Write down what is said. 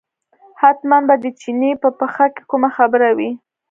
حتمي به د چیني په پېښه کې کومه خبره وي.